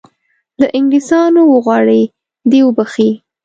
له انګلیسیانو وغواړي دی وبخښي.